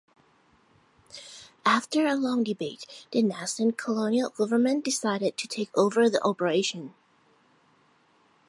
After a long debate, the nascent colonial government decided to take over the operation.